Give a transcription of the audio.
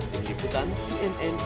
terlibat di cnn indonesia